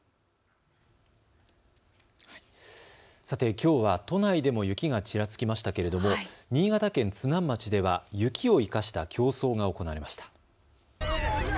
さてきょうは都内でも雪がちらつきましたけれども新潟県津南町では雪を生かした競争が行われました。